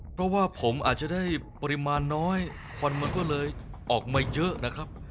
เพราะว่าผมอาจจะได้ปริมาณน้อยควันมันก็เลยออกมาเยอะนะครับ